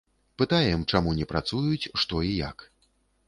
Пытаем, чаму не працуюць, што і як.